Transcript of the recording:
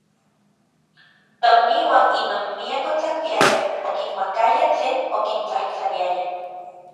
Tokniuan inon miak otlapiayaj, okimakayaj tlen okintlajtlaniaya.